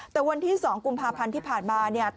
แต่วันที่๒กุมภาพันธ์ที่ผ่านมาเนี่ย